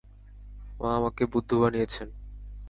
আমাকে বুদ্ধু বানিয়েছেন।